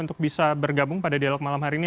untuk bisa bergabung pada dialog malam hari ini